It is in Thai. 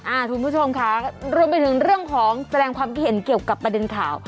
คุณผู้ชมค่ะรวมไปถึงเรื่องของแสดงความคิดเห็นเกี่ยวกับประเด็นข่าว